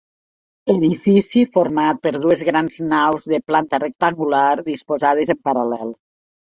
Edifici format per dues grans naus de planta rectangular disposades en paral·lel.